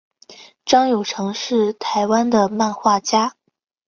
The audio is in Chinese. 张友诚是台湾的漫画家。